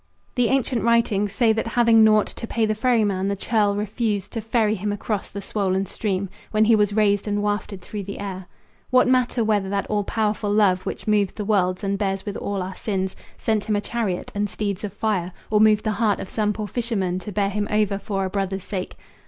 The ancient writings say that having naught To pay the ferryman, the churl refused To ferry him across the swollen stream, When he was raised and wafted through the air. What matter whether that all powerful Love Which moves the worlds, and bears with all our sins, Sent him a chariot and steeds of fire, Or moved the heart of some poor fisherman To bear him over for a brother's sake?